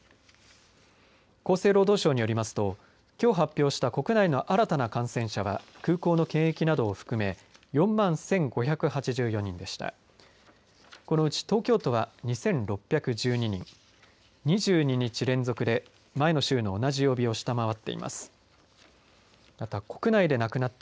厚生労働省によりますときょう発表した国内の新たな感染者は空港の検疫などを含め４万１５８４人でした。